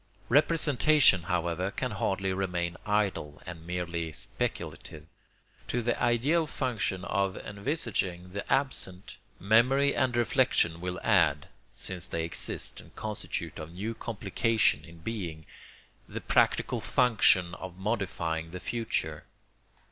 Representation, however, can hardly remain idle and merely speculative. To the ideal function of envisaging the absent, memory and reflection will add (since they exist and constitute a new complication in being) the practical function of modifying the future.